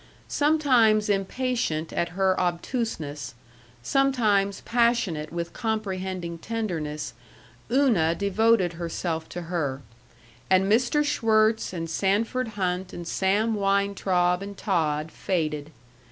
Sometimes impatient at her obtuseness, sometimes passionate with comprehending tenderness, Una devoted herself to her, and Mr. Schwirtz and Sanford Hunt and Sam Weintraub and Todd faded.